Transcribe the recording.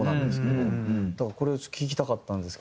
だからこれ聞きたかったんですけど。